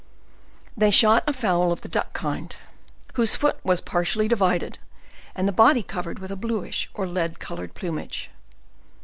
They shot a fowl of the duck kind, whose foot was partially divided, and the body covered with a,bluisb.or lead Colored plumage.